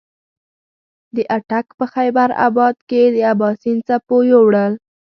د اټک په خېبر اباد کې د اباسین څپو یوړل.